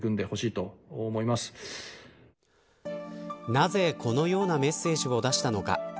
なぜこのようなメッセージを出したのか。